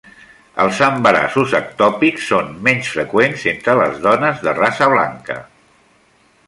Els embarassos ectòpics són menys freqüents entre les dones de raça blanca.